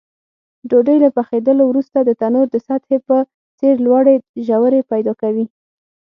ډوډۍ له پخېدلو وروسته د تنور د سطحې په څېر لوړې ژورې پیدا کوي.